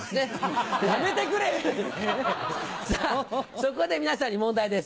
そこで皆さんに問題です。